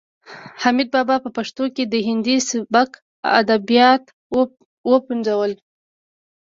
حمید بابا په پښتو کې د هندي سبک ادبیات وپنځول.